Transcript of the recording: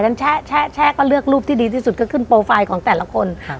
กันแชะแชะแชะก็เลือกรูปที่ดีที่สุดก็ขึ้นโปรไฟล์ของแต่ละคนค่ะ